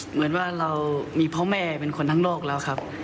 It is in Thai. เหมือนว่าเรามีพ่อแม่เป็นคนทั้งโลกแล้วครับ